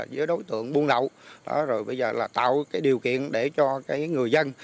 với đối tượng buôn lậu rồi bây giờ là tạo điều kiện để cho người dân